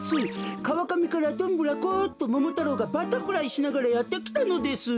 「かわかみからどんぶらこっとももたろうがバタフライしながらやってきたのです」。